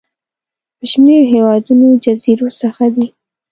کوچنيو هېوادونو جزيرو څخه دي.